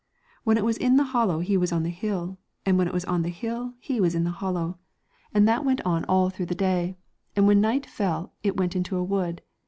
When it was in the hollow he was on the hill, and when it was on the hill he was in the hollow, and that went 224 on all through the day, and when night fell it went into a wood.